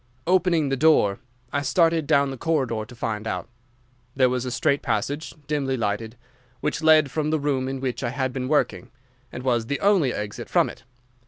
Opening the door, I started down the corridor to find out. There was a straight passage, dimly lighted, which led from the room in which I had been working, and was the only exit from it.